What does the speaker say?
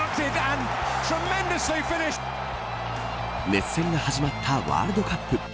熱戦が始まったワールドカップ。